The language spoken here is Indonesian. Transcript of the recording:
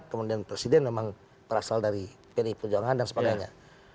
kemudian presiden memang berasal dari pdi perjuangan dan sebagainya